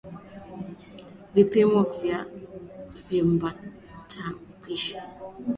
Vipimo vya Viambaupishi